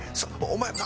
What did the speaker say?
お前。